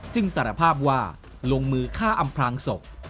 สารภาพว่าลงมือฆ่าอำพลางศพ